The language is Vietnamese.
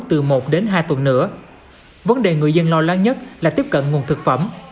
từ một đến hai tuần nữa vấn đề người dân lo lắng nhất là tiếp cận nguồn thực phẩm